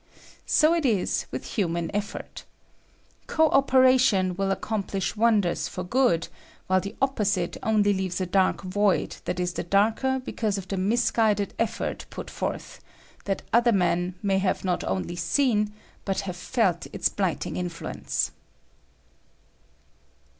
So it is with human effort. Co opera tion will accomplish wonders for good, while the opposite only leaves a dark void that is the darker because of the misguided effort put forth, that other men have not only seen, but have felt its blighting influence.